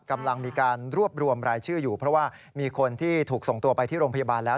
กำลังมีการรวบรวมรายชื่ออยู่เพราะว่ามีคนที่ถูกส่งตัวไปที่โรงพยาบาลแล้ว